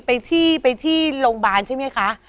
ไปที่ไปที่โรงพยาบาลใช่ไหมคะ